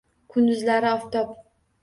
Kunduzlari — oftob.